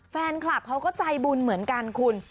แฟนคลับเขาก็ใจบุญเหมือนกันคุณ